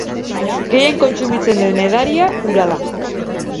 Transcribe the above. Gehien kontsumitzen den edaria ura da.